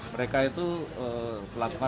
mereka itu pelat